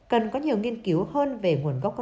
cần có nhiều nghiên cứu hơn về nguồn gốc